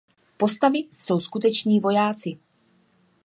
Postavy jsou skuteční vojáci.